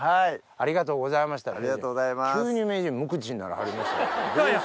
ありがとうございます。